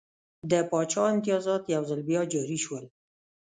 د پاچا امتیازات یو ځل بیا جاري شول.